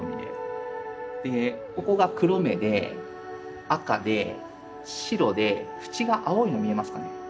でここが黒目で赤で白で縁が青いの見えますかね？